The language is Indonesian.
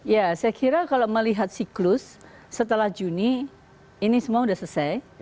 ya saya kira kalau melihat siklus setelah juni ini semua sudah selesai